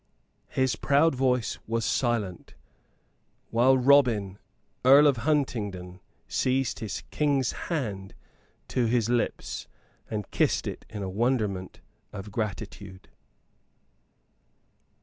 His proud voice was silent; while Robin Earl of Huntingdon seized his King's hand to his lips and kissed it in a wonderment of gratitude.